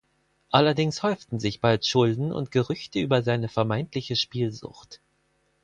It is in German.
Allerdings häuften sich bald Schulden und Gerüchte über seine vermeintliche Spielsucht.